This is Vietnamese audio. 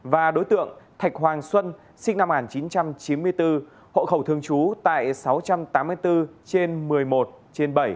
và đối tượng thạch hoàng xuân sinh năm một nghìn chín trăm chín mươi bốn hộ khẩu thường trú tại sáu trăm tám mươi bốn trên một mươi một trên bảy